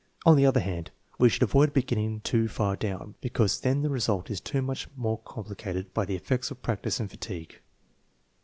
On the other hand, we should avoid beginning too far down, because then the re sult is too much complicated by the effects of practice and fatigue.